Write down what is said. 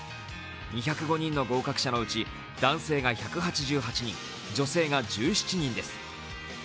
２０５人の合格者のうち男性が１８８人、女性が１７人です。